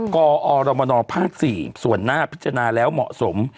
กอรมนภ๔ส่วนหน้าพิจารณาแล้วเหมาะสม